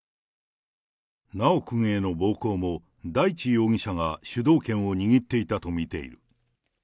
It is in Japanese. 修くんへの暴行も大地容疑者が主導権を握っていたと見ている。